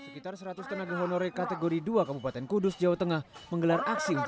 pekerjaan selama puluhan tahun